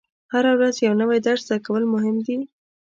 هره ورځ یو نوی درس زده کول مهم دي.